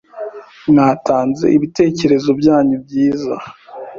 Mwatanze ibitekerezo byanyu byiza